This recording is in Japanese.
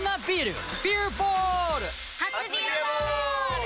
初「ビアボール」！